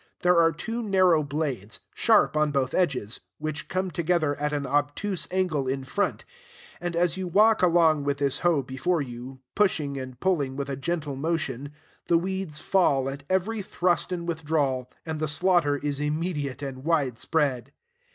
There are two narrow blades, sharp on both edges, which come together at an obtuse angle in front; and as you walk along with this hoe before you, pushing and pulling with a gentle motion, the weeds fall at every thrust and withdrawal, and the slaughter is immediate and widespread.